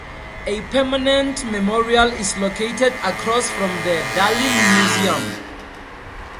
A permanent memorial is located across from the Dali Museum.